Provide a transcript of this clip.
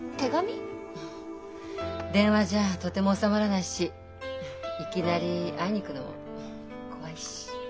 電話じゃとてもおさまらないしいきなり会いに行くのも怖いし。